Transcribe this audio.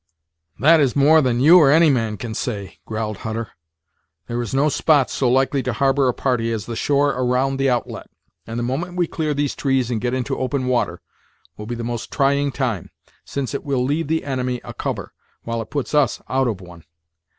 "That is more than you or any man can say," growled Hutter. "There is no spot so likely to harbor a party as the shore around the outlet, and the moment we clear these trees and get into open water, will be the most trying time, since it will leave the enemy a cover, while it puts us out of one.